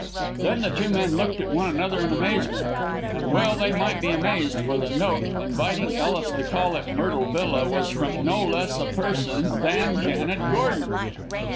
Then the two men looked at one another in amazement. And well they might be amazed, for the note, inviting Ellis to call at Myrtle Villa, was from no less a person than Janet Gordon.